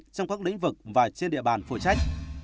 trong các lĩnh vực và trên địa bàn phụ trách